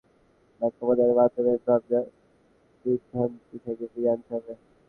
তাদের কোরআন-হাদিসের সঠিক ব্যাখ্যা প্রদানের মাধ্যমে ভ্রান্তি থেকে ফিরিয়ে আনতে হবে।